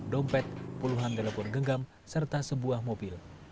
dompet puluhan telepon genggam serta sebuah mobil